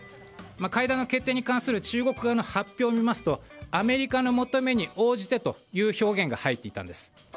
会談の決定に関する中国側の発表を見ますとアメリカの求めに応じてという表現が入っていたんです。